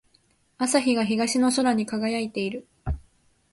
朝日が東の空に輝いている。